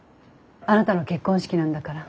あなたの結婚式なんだから。